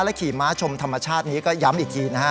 ขี่ม้าชมธรรมชาตินี้ก็ย้ำอีกทีนะฮะ